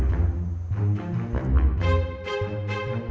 lapar harus bokok